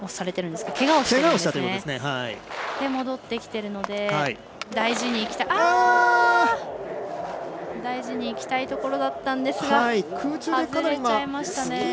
それで戻ってきてるので大事にいきたいところだったんですが外れちゃいましたね。